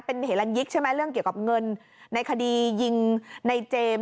เป็นเหลันยิกใช่ไหมเรื่องเกี่ยวกับเงินในคดียิงในเจมส์